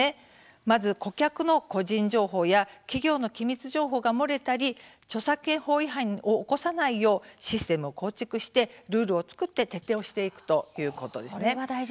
まず、顧客の個人情報や企業の機密情報が漏れたり著作権法違反を起こさないようシステムを構築してルールを作って徹底していくということです。